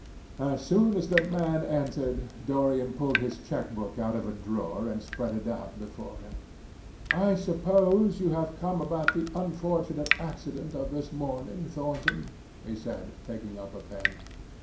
As soon as the man entered, Dorian pulled his chequebook out of a drawer and spread it out before him. "I suppose you have come about the unfortunate accident of this morning, Thornton?" he said, taking up a pen.